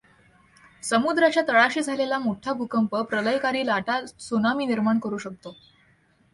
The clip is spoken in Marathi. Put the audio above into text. समुद्राच्या तळाशी झालेला मोठा भूकंप प्रलयंकारी लाटा त्सुनामी निर्माण करू शकतो.